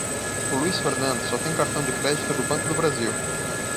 O Luiz Fernando só tem cartão de crédito do Banco do Brasil.